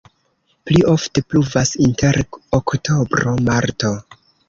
Pli ofte pluvas inter oktobro-marto.